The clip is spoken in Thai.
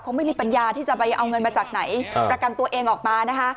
เขาไม่มีปัญญาที่จะไปเอาเงินมาจากไหนประกันตัวเองออกมานะคะ